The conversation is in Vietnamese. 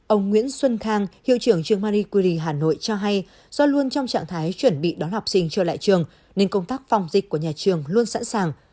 ông nguyễn xuân khang hiệu trưởng trường marie culi hà nội cho hay do luôn trong trạng thái chuẩn bị đón học sinh trở lại trường nên công tác phòng dịch của nhà trường luôn sẵn sàng